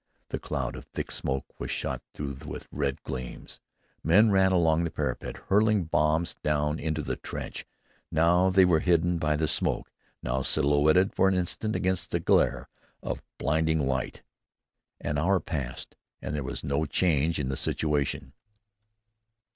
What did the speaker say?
The cloud of thick smoke was shot through with red gleams. Men ran along the parapet hurling bombs down into the trench. Now they were hidden by the smoke, now silhouetted for an instant against a glare of blinding light. An hour passed and there was no change in the situation.